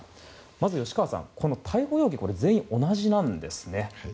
まず吉川さん、この逮捕容疑全員同じなんですね。